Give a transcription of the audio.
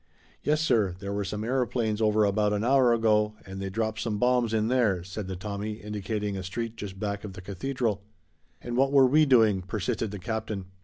"Yes, sir, there were some aeroplanes over about an hour ago and they dropped some bombs in there," said the Tommy indicating a street just back of the cathedral. "And what were we doing?" persisted the captain.